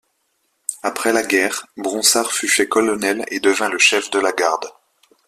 Après la guerre, Bronsart fut fait colonel et devint le chef de la Garde.